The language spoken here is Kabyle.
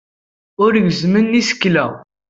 Ur gezzmen isekla.